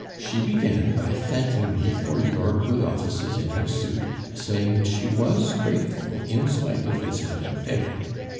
She began by thanking me for your good offices in her suit, saying that she was grateful in spite of its having failed.